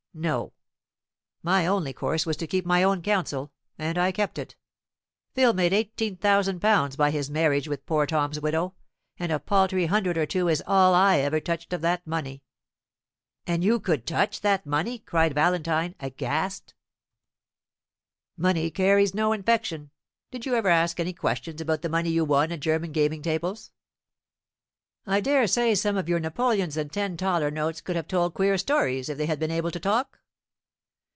No; my only course was to keep my own counsel, and I kept it. Phil made eighteen thousand pounds by his marriage with poor Tom's widow, and a paltry hundred or two is all I ever touched of that money." "And you could touch that money?" cried Valentine, aghast. "Money carries no infection. Did you ever ask any questions about the money you won at German gaming tables. I dare say some of your napoleons and ten thaler notes could have told queer stories if they had been able to talk.